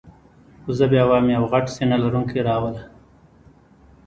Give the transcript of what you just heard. خو زه بیا وایم یو غټ سینه لرونکی را وله.